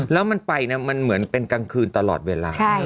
แล้วมันไปมันเหมือนเป็นกลางคืนตลอดเวลา